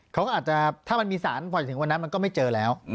เขาก็อาจจะถ้ามันมีสารปล่อยถึงวันนั้นมันก็ไม่เจอแล้ว